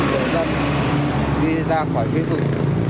để dân đi ra khỏi khuế vực